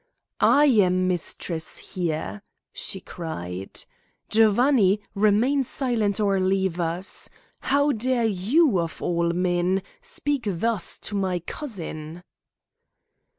"I am mistress here," she cried, "Giovanni, remain silent or leave us. How dare you, of all men, speak thus to my cousin?"